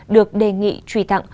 được đề nghị truy tặng